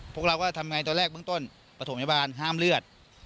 พวกเราก็ทำไงตอนแรกเบื้องต้นประถมพยาบาลห้ามเลือด